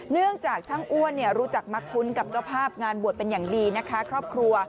เนื่องจากช่างอ้วนรู้จักมักคุ้นกับเจ้าภาพงานบวชเป็นอย่างดีนะคะครอบครัว